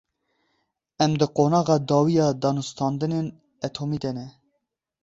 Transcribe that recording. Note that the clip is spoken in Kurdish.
Em di qonaxa dawî ya danûstandinên etomî de ne.